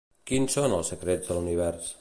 Quins són els secrets de l'univers?